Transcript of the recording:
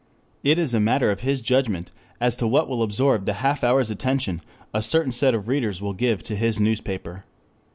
It is a matter of his judgment as to what will absorb the half hour's attention a certain set of readers will give to his newspaper.